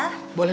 apa setelah apa